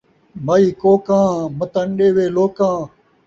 مئی کوکاں ، متّاں ݙیوے لوکاں